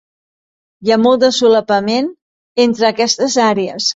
Hi ha molt de solapament entre aquestes àrees.